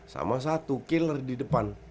sama satu killer di depan